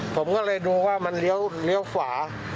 ผมก็เลยดูว่ามันเลี้ยวขวา